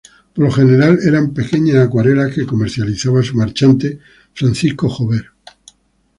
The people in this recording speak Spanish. Por lo general eran pequeñas acuarelas que comercializaba su marchante, Francisco Jover.